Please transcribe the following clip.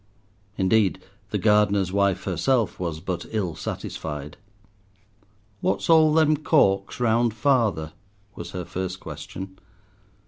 Indeed, the gardener's wife herself was but ill satisfied. "What's all them corks round father?" was her first question.